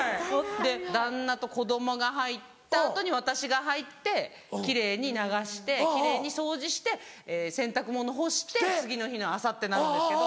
で旦那と子供が入った後に私が入って奇麗に流して奇麗に掃除して洗濯物干して次の日の朝ってなるんですけど。